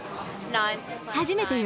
初めてよ。